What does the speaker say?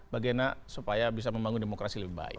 bagaimana supaya bisa membangun demokrasi lebih baik